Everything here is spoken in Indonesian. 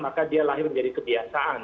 maka dia lahir menjadi kebiasaan